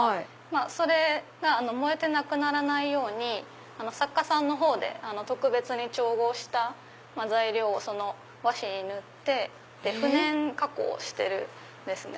それが燃えてなくならないように作家さんのほうで特別に調合した材料を和紙に塗って不燃加工をしてるんですね。